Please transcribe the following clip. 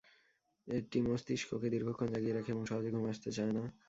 এটি মস্তিষ্ককে দীর্ঘক্ষণ জাগিয়ে রাখে এবং সহজে ঘুম আসতে চায় না।